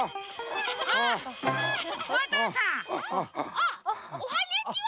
あっおはにゃちは。